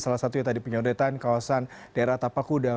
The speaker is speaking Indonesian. salah satu yang tadi penyodetan kawasan daerah tapakuda